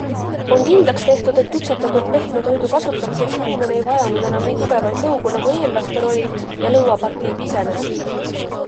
On kindlaks tehtud, et küpsetatud pehme toidu kasutamiseks inimene ei vajanud enam nii tugevaid lõugu, nagu eellastel oli ja lõuapartii pisenes.